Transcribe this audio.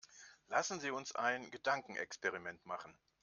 Lassen Sie uns ein Gedankenexperiment machen.